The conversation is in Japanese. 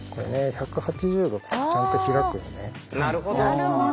なるほど。